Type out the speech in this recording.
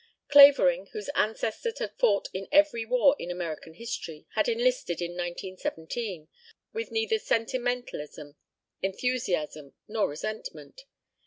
Clavering, whose ancestors had fought in every war in American history, had enlisted in 1917 with neither sentimentalism, enthusiasm, nor resentment.